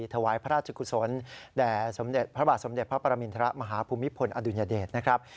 ถวายพระราชกุศลแด่สมเด็จพระบาทสมเด็จพระปรมินทรมาฮภูมิพลอดุญเดชนะครับ